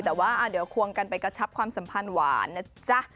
แต่ว่าเดี๋ยวควงกันไปกระชับความสัมพันธ์หวานนะจ๊ะ